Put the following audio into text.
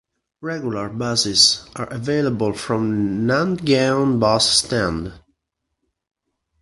Regular buses are available from Nandgaon Bus Stand.